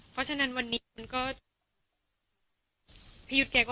เพราะฉะนั้นวันนี้มันก็พี่ยุทธ์แกก็